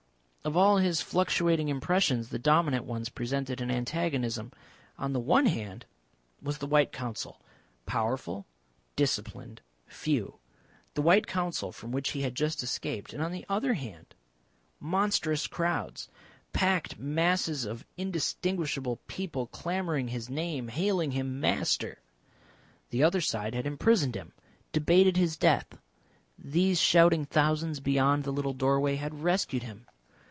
Of all his fluctuating impressions the dominant ones presented an antagonism; on the one hand was the White Council, powerful, disciplined, few, the White Council from which he had just escaped; and on the other, monstrous crowds, packed masses of indistinguishable people clamouring his name, hailing him Master. The other side had imprisoned him, debated his death. These shouting thousands beyond the little doorway had rescued him.